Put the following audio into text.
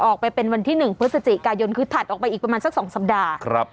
ออกไปเป็นวันที่หนึ่งเพื่อสจิกายนคือถัดออกไปอีกประมาณสักสองสัปดาห์ครับ